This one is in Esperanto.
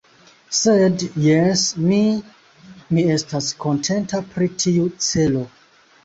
Sed, jes, mi... mi estas kontenta pri tiu celo.